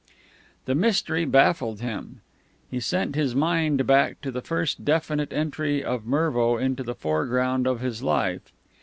The mystery baffled him. He sent his mind back to the first definite entry of Mervo into the foreground of his life.